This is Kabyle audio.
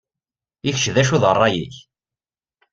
I kečč d acu d rray-ik?